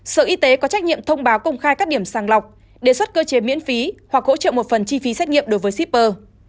sở y tế có trách nhiệm thông báo công khai các điểm sàng lọc đề xuất cơ chế miễn phí hoặc hỗ trợ một phần chi phí xét nghiệm đối với shipper